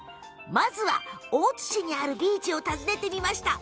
まずは、大津市にあるビーチを訪ねてみました。